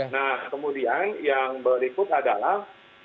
nah kemudian yang berikut adalah